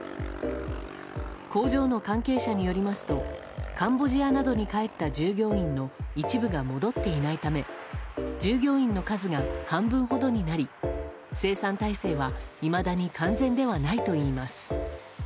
工場の関係者によりますとカンボジアなどに帰った従業員の一部が戻っていないため従業員の数が半分ほどになり生産体制は、いまだに完全ではないといいます。